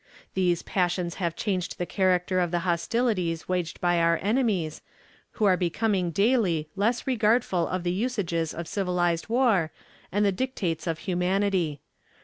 These passions have changed the character of the hostilities waged by our enemies, who are becoming daily less regardful of the usages of civilized war and the dictates of humanity.